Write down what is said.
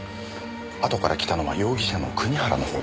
あとから来たのは容疑者の国原の方です。